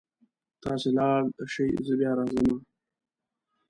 تاسې لاړ شئ زه بیا راځمه